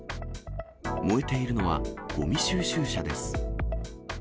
燃えているのはごみ収集車です。